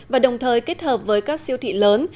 và đồng thời kết hợp với các siêu thị lớn